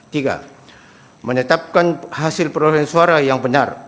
tiga menetapkan hasil perolehan suara yang benar